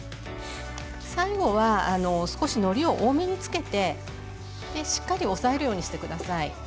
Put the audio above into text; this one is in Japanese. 最後は少しのりを多めにつけてしっかり押さえるようにして下さい。